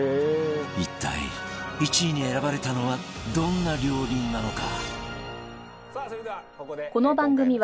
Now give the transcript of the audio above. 一体１位に選ばれたのはどんな料理なのか？